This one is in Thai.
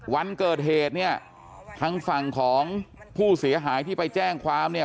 วันเกิดเหตุเนี่ยทางฝั่งของผู้เสียหายที่ไปแจ้งความเนี่ย